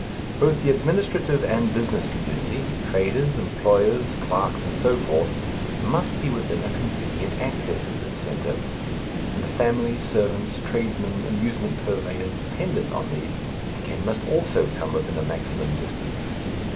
Both the administrative and business community, traders, employers, clerks, and so forth, must be within a convenient access of this centre; and the families, servants, tradesmen, amusement purveyors dependent on these again must also come within a maximum distance.